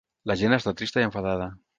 La gent està trista i enfadada.